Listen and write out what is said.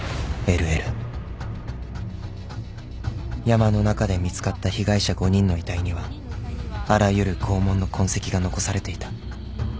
［山の中で見つかった被害者５人の遺体にはあらゆる拷問の痕跡が残されていた］